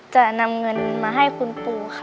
จะนำเงินมาให้คุณปู่ค่ะ